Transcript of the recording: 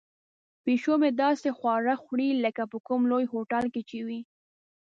پیشو مې داسې خواړه غواړي لکه په کوم لوی هوټل کې چې وي.